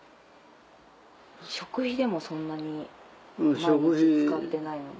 食費でもそんなに毎日使ってないのに。